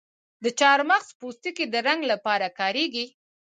د چارمغز پوستکی د رنګ لپاره کاریږي؟